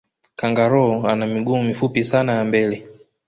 kangaroo ana miguu mifupi sana ya mbele